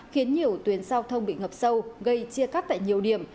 khiến nhiều tuyến giao thông bị ngập sâu gây chia cắt tại nhiều điểm